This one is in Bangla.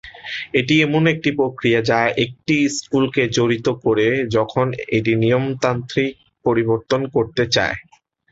এটি এমন একটি প্রক্রিয়া যা একটি স্কুলকে জড়িত করে যখন এটি নিয়মতান্ত্রিক পরিবর্তন করতে চায়।